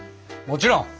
もちろん！